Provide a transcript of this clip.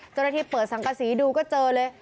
เจ้าหน้าที่เปิดสังกษีดูก็เจอเลย